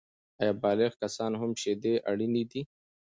آیا بالغ کسان هم شیدې اړینې دي؟